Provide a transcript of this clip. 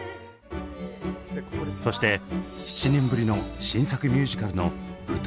そして７年ぶりの新作ミュージカルの舞台裏に密着。